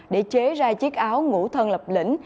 để chế ra chiếc áo ngũ thân lập lĩnh